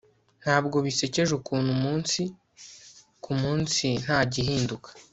ntabwo bisekeje ukuntu umunsi ku munsi nta gihinduka